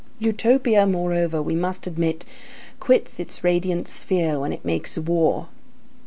Utopia, moreover, we must admit, quits its radiant sphere when it makes war.